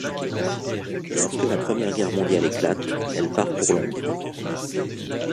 Lorsque la Première Guerre mondiale éclate, elle part pour Londres.